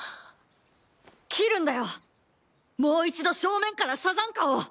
斬るんだよもう一度正面からサザンカを。